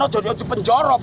jangan diaman di polres